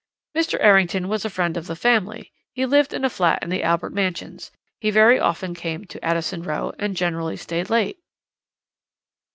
"'Mr. Errington was a friend of the family. He lived in a flat in the Albert Mansions. He very often came to Addison Row, and generally stayed late.'